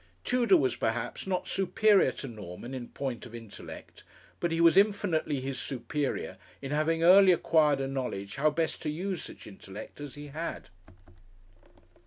Tudor was perhaps not superior to Norman in point of intellect; but he was infinitely his superior in having early acquired a knowledge how best to use such intellect as he had.